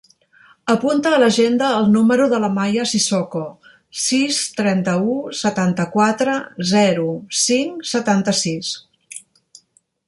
Apunta a l'agenda el número de l'Amaia Sissoko: sis, trenta-u, setanta-quatre, zero, cinc, setanta-sis.